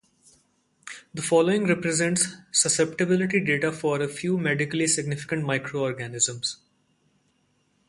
The following represents susceptibility data for a few medically significant microorganisms.